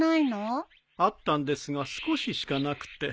あったんですが少ししかなくて。